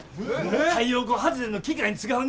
太陽光発電の機械に使うねじや。